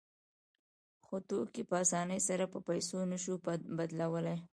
خو توکي په اسانۍ سره په پیسو نشو بدلولی